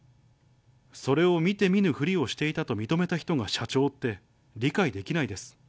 それを見て見ぬふりをしていたと認めた人が社長って理解できないです。